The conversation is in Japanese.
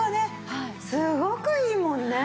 すごくいいもんね。